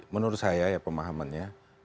menurut saya ya pemahamannya